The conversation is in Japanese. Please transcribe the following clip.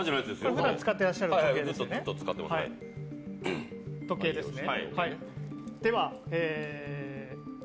ふだん使ってらっしゃる時計ですね。